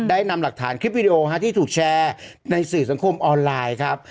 ได้นำหลักฐานคลิปวิดีโอที่ถูกแชร์ในสื่อสังคมออนไลน์ครับ